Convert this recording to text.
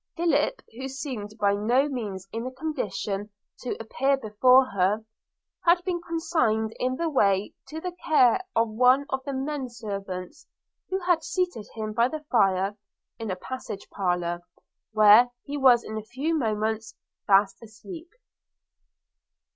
Philip, who seemed by no means in a condition to appear before her, had been consigned, in the way, to the care of one of the men servants, who had seated him by the fire in a passage parlour, where he was in a few moments fast asleep.